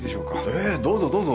ええどうぞどうぞ。